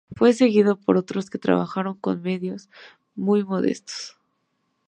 Fue seguido por otros, que trabajaron con medios muy modestos.